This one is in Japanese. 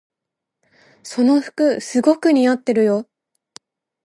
その服すごく似合ってるよ。